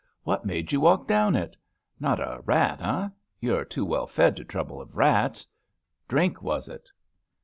What made you walk down it? Not a rat, eh? You're too well fed to trouble of rats. Drink was it.